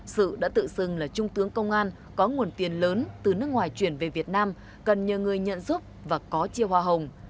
sự đã tự xưng là trung tướng công an có nguồn tiền lớn từ nước ngoài chuyển về việt nam cần nhờ người nhận giúp và có chiêu hoa hồng